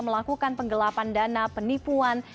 melakukan penggelapan dana penipuan